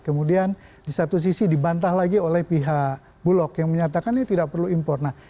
kemudian di satu sisi dibantah lagi oleh pihak bulog yang menyatakan ini tidak perlu impor